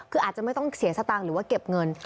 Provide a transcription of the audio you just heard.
คืออาจจะไม่ต้องเสียสตางค์หรือว่าเก็บเงิน